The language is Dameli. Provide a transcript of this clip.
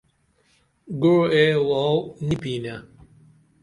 گوعے آوو نی پینے